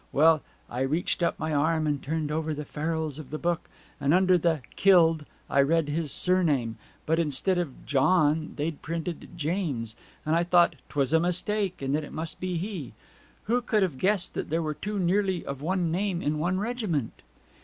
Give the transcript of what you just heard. Well, I reached up my arm, and turned over the farrels of the book, and under the "killed" I read his surname, but instead of "John" they'd printed "James," and I thought 'twas a mistake, and that it must be he. Who could have guessed there were two nearly of one name in one regiment.'